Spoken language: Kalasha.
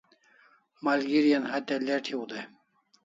Malgeri an hatya late hiu dai